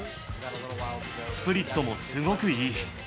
スプリットもすごくいい。